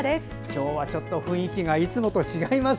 今日は雰囲気がいつもと違います。